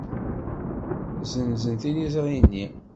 Ssenzen tiliẓri-nni.